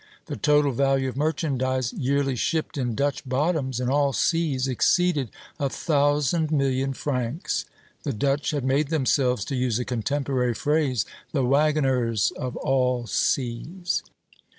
The total value of merchandise yearly shipped in Dutch bottoms, in all seas, exceeded a thousand million francs. The Dutch had made themselves, to use a contemporary phrase, the wagoners of all seas."